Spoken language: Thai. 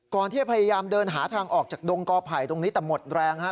พยายามที่จะพยายามเดินหาทางออกจากดงกอไผ่ตรงนี้แต่หมดแรงฮะ